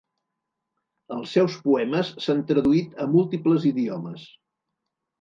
Els seus poemes s'han traduït a múltiples idiomes.